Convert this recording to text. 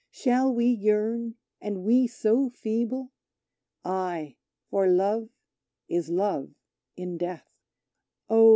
Shall we yearn, and we so feeble?" Ay, for Love is Love in Death. Oh!